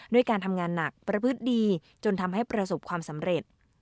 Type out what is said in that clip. ด้วยการทำงานหนักประพฤติดีจนทำให้ประสบความสำเร็จ